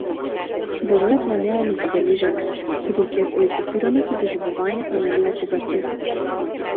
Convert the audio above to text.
Веројатно не ја ни забележала, бидејќи е преокупирана со доживувањето на неопубертетот.